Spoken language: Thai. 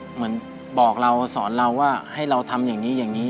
เหมือนบอกเราสอนเราว่าให้เราทำอย่างนี้อย่างนี้